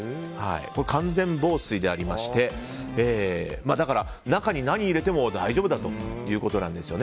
完全防水でありましてだから、中に何を入れても大丈夫だということなんです。